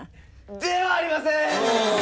ではありません！